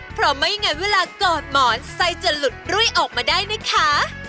เพราะไม่งั้นเวลากอดหมอนไส้จะหลุดรุ่ยออกมาได้นะคะ